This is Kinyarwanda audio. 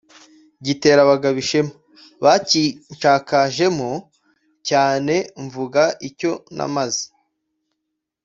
Gitera abagabo ishema, bakinshakajemo cyane mvuga icyo namaze,